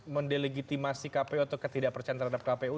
mendelegitimasi kpu atau ketidakpercayaan terhadap kpu